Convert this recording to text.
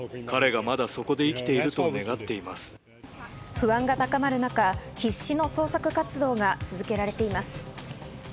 不安が高まる中、必死の捜索活動が続けられています。